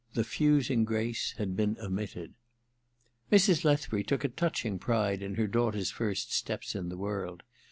The fusing grace had been omitted. Mrs. Lethbury took a touching pride in her daughter's first steps in the world.